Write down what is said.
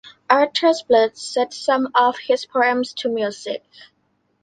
Arthur Bliss set some of his poems to music.